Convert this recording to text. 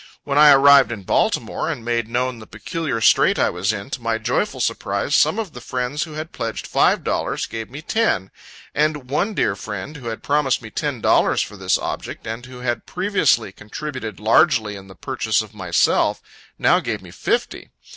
When I arrived in Baltimore, and made known the peculiar strait I was in, to my joyful surprise, some of the friends who had pledged five dollars, gave me ten; and one dear friend who had promised me ten dollars, for this object, and who had previously contributed largely in the purchase of myself, now gave me fifty.